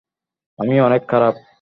আমি অনেক খারাপ!